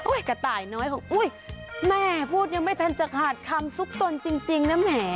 กระต่ายน้อยของอุ้ยแม่พูดยังไม่ทันจะขาดคำซุกตนจริงนะแหม